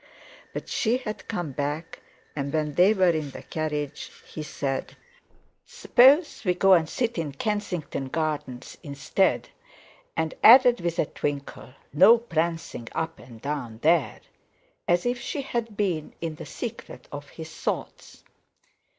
But she had come back and when they were in the carriage, he said: "Suppose we go and sit in Kensington Gardens instead?" and added with a twinkle: "No prancing up and down there," as if she had been in the secret of his thoughts.